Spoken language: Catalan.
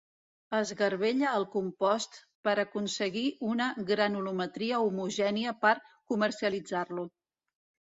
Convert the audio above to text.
Es garbella el compost per aconseguir una granulometria homogènia per comercialitzar-lo.